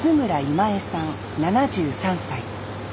今衛さん７３歳。